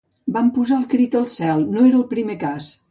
Vam posar el crit al cel, no era el primer cas.